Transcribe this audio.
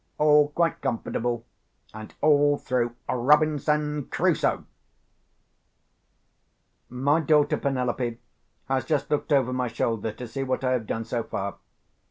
All quite comfortable, and all through Robinson Crusoe! My daughter Penelope has just looked over my shoulder to see what I have done so far.